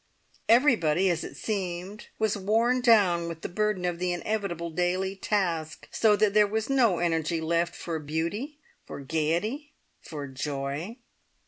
Everybody, as it seemed, was worn down with the burden of the inevitable daily task, so that there was no energy left for beauty, for gaiety, for joy.